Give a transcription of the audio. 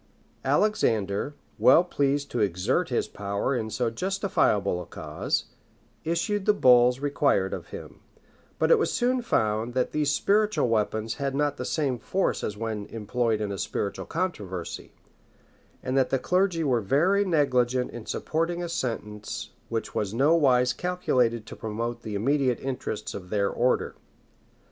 [*] Alexander, well pleased to exert his power in so justifiable a cause, issued the bulls required of him; but it was soon found, that these spiritual weapons had not the same force as when employed in a spiritual controversy; and that the clergy were very negligent in supporting a sentence which was nowise calculated to promote the immediate interests of their order.